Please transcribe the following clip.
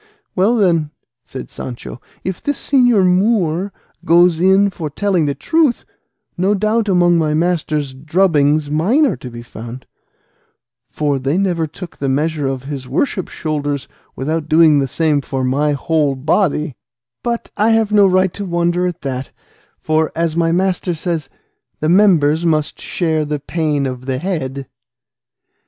"Well then," said Sancho, "if this señor Moor goes in for telling the truth, no doubt among my master's drubbings mine are to be found; for they never took the measure of his worship's shoulders without doing the same for my whole body; but I have no right to wonder at that, for, as my master himself says, the members must share the pain of the head."